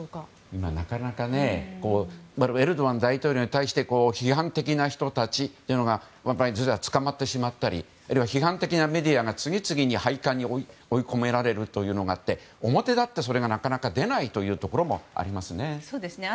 今、なかなかねエルドアン大統領に対して批判的な人たちが捕まってしまったり批判的なメディアが次々に廃刊に追い込まれるということもあって表立って、それがなかなか出ないところもありますね。